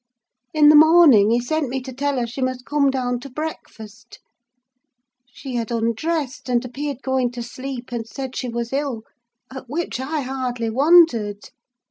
"In the morning, he sent me to tell her she must come down to breakfast: she had undressed, and appeared going to sleep, and said she was ill; at which I hardly wondered.